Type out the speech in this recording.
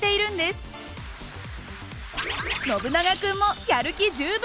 ノブナガ君もやる気十分。